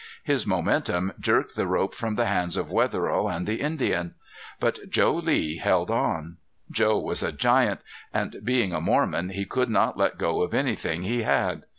His momentum jerked the rope from the hands of Wetherill and the Indian. But Joe Lee held on. Joe was a giant and being a Mormon he could not let go of anything he had.